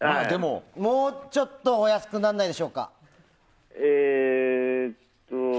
もうちょっとお安くならないでしょうか。